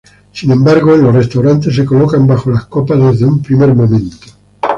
Sin embargo, en los restaurantes, se colocan bajo las copas desde un primer momento.